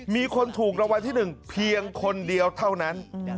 มีคนถูกรางวัลที่๑เพียงคนเดียวเท่านั้น